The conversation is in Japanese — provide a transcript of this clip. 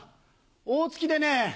大月でね